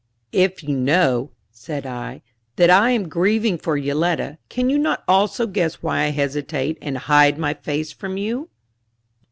"If you know," said I, "that I am grieving for Yoletta, can you not also guess why I hesitate and hide my face from you?"